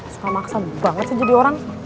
suka maksa banget sih jadi orang